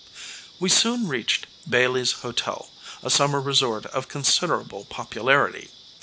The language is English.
We soon reached Bailey's Hotel, a summer resort of considerable popularity.